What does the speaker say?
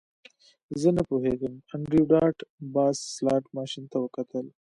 زه نه پوهیږم انډریو ډاټ باس سلاټ ماشین ته وکتل